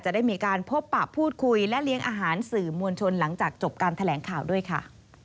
ได้มีการพบปะพูดคุยและเลี้ยงอาหารสื่อมวลชนหลังจากจบการแถลงข่าวด้วยค่ะ